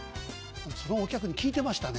そのお客に聞いてましたね。